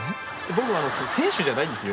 僕は選手じゃないんですよ。